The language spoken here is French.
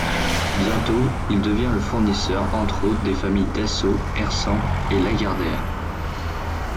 Bientôt il devient le fournisseur, entre autres, des familles Dassault, Hersant et Lagardère.